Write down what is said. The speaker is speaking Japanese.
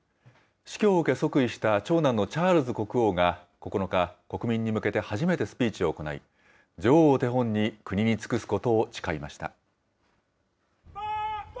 死去を受け即位した長男のチャールズ国王が９日、国民に向けて初めてスピーチを行い、女王を手本に、国に尽くすことを誓いました。